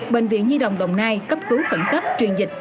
bệnh viện nhi đồng đồng nai cấp cứu khẩn cấp truyền dịch